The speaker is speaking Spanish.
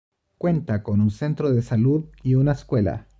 Cuenta con un centro de salud, y una escuela.